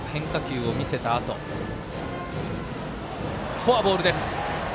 フォアボールです。